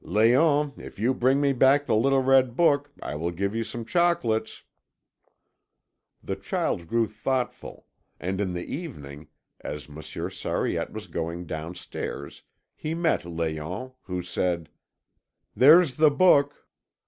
"Léon, if you bring me back the little red book, I will give you some chocolates." The child grew thoughtful; and in the evening, as Monsieur Sariette was going downstairs, he met Léon, who said: "There's the book!"